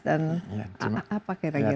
dan apa kira kira